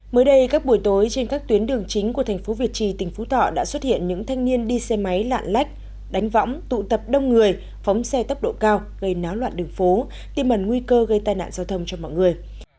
mới đây các buổi tối trên các tuyến đường chính của thành phố việt trì tỉnh phú thọ đã xuất hiện những thanh niên đi xe máy lạn lách đánh võng tụ tập đông người phóng xe tốc độ cao gây náo loạn đường phố tiêm mẩn nguy cơ gây tai nạn giao thông cho mọi người